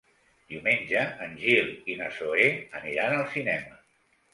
Diumenge en Gil i na Zoè aniran al cinema.